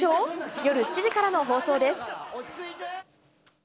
夜７時からの放送です。